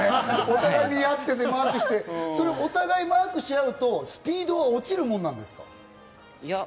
見合っててマークして、お互いマークし合うとスピードは落ちるもんですか？